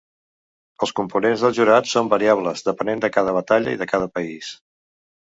Els components del jurat són variables depenent de cada batalla i de cada país.